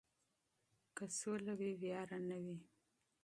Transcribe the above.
که سوله وي ویره نه وي.